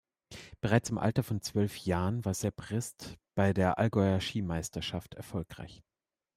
Bereits im Alter von zwölf Jahren war Sepp Rist bei der Allgäuer Skimeisterschaft erfolgreich.